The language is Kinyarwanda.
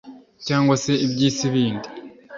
cyangwa se iby'isi bindi